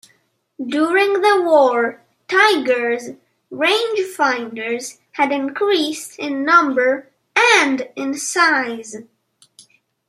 During the war "Tiger"s rangefinders had increased in number and in size.